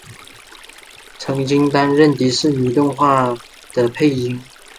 曾经担任迪士尼动画的配音。